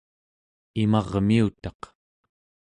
imarmiutaq